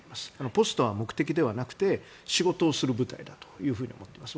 ポストは目的ではなくて仕事をする部隊だと思っています。